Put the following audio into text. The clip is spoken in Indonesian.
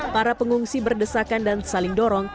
para pengungsi berdesakan dan saling dorong